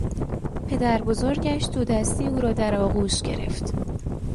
پدر بزرگش دودستی او را در آغوش گرفت.